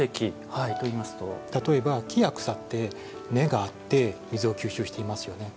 例えば、木や草って根があって水を吸収していますよね。